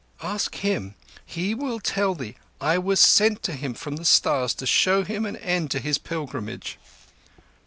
"Ask him. He will tell thee I was sent to him from the Stars to show him an end to his pilgrimage."